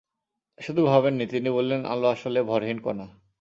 শুধু ভাবেননি, তিনি বললেন, আলো আসলে ভরহীন কণা।